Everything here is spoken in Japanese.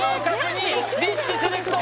２リッチセレクト